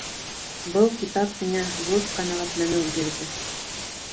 Был китап миңә ҙур ҡәнәғәтләнеү бирҙе